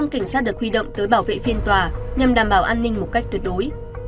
một mươi cảnh sát được huy động tới bảo vệ phiên tòa nhằm đảm bảo an ninh một cách tuyệt đối